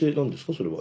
それは。